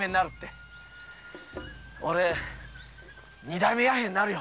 おれ二代目の弥平になるよ。